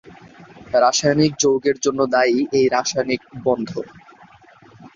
রাসায়নিক যৌগের জন্য দায়ী এই রাসায়নিক বন্ধন।